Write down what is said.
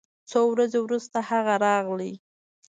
څو ورځې وروسته هغه راغی